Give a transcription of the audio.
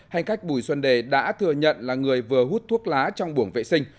hành khách bùi xuân đê đã thừa nhận là người vừa hút thuốc lá trong buồng vệ sinh